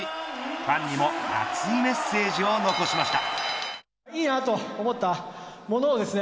ファンにも熱いメッセージを残しました。